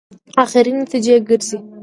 اخري نتیجې ګرځي.